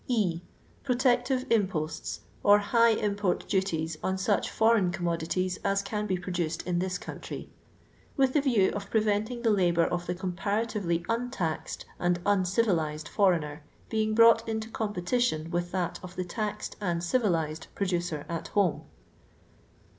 E. '^ Protective imposts, or high import duties on such foreign commodities as can be pro duced in this country; with the view of pre venting the labour of the comparatively untaxed and uncivilised foreigner being brought into competition with that of the taxed and civilized producer at home.